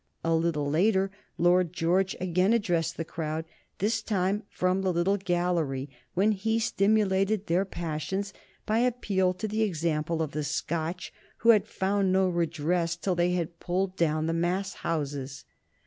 A little later Lord George again addressed the crowd, this time from the little gallery, when he stimulated their passions by appeal to the example of the Scotch, who had found no redress till they had pulled down the Mass houses.